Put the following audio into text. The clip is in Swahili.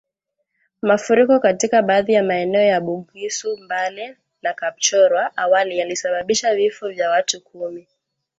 Mafuriko katika baadhi ya maeneo ya Bugisu Mbale na Kapchorwa awali yalisababisha vifo vya watu kumi